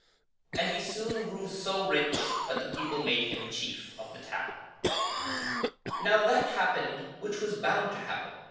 And he soon grew so rich that the people made him chief of the town. Now that happened which was bound to happen.